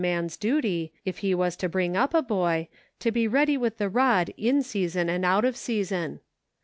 man's duty, if he was to bring up a boy, to be ready with the rod in season and out of season.